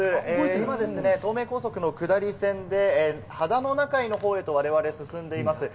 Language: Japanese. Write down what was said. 今ですね、東名高速の下り線で秦野中井のほうへと我々、進んでいます。